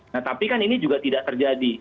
nah tapi kan ini juga tidak terjadi